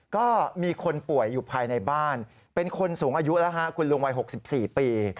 ก็มีคนป่วยอยู่ภายในบ้านเป็นคนสูงอายุแล้วคุณลุงวัย๖๔ปี